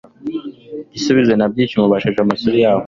gisubizo na byishimo basoje amashuri yabo